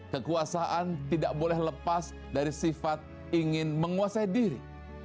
kekuasaan tidak boleh lepas dari sifat ingin menguasai diri